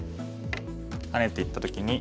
ハネていった時に。